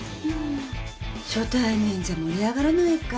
初対面じゃ盛り上がらないか。